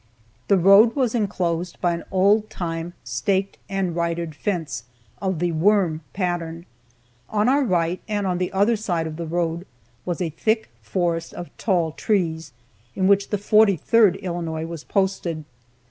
The road was enclosed by an old time staked and ridered fence, of the "worm" pattern. On our right, and on the other side of the road, was a thick forest of tall trees, in which the 43rd Illinois was posted.